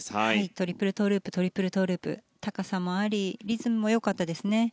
トリプルトウループトリプルトウループ高さもありリズムもよかったですね。